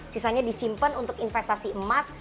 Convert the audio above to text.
sisanya disimpan untuk investasi emas